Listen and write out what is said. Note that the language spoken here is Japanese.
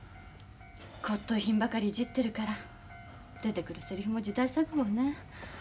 骨とう品ばかりいじってるから出てくるセリフも時代錯誤ね。